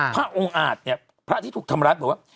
พระองค์อาจเนี่ยพระที่ถูกทำร้ายบอกว่า